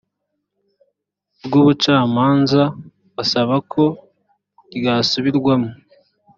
rw ubucamanza asaba ko ryasubirwamo